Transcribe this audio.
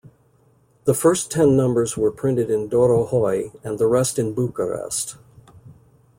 The first ten numbers were printed in Dorohoi, and the rest in Bucharest.